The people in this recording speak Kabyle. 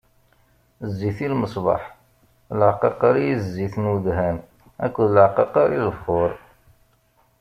Zzit i lmeṣbaḥ, leɛqaqer i zzit n wedhan akked leɛqaqer i lebxuṛ.